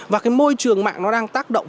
và cái môi trường mạng nó đang tác động